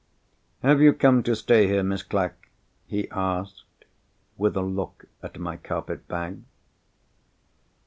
"Have you come to stay here, Miss Clack?" he asked, with a look at my carpet bag.